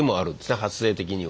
発生的には。